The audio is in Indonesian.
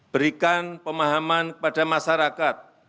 berikan pemahaman kepada masyarakat